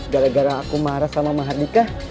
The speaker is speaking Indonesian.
gara gara aku marah sama mahardika